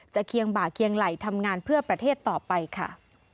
เคียงบ่าเคียงไหล่ทำงานเพื่อประเทศต่อไปค่ะ